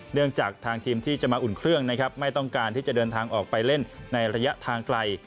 จากทางทีมที่จะมาอุ่นเครื่องนะครับไม่ต้องการที่จะเดินทางออกไปเล่นในระยะทางไกล